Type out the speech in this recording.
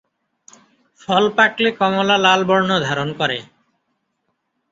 ফল পাকলে কমলা লাল বর্ণ ধারণ করে।